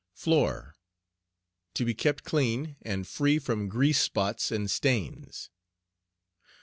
FLOOR. To be kept clean, and free from grease spots and stains.